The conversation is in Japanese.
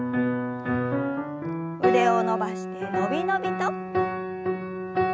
腕を伸ばしてのびのびと。